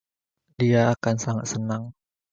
Dia akan sangat senang.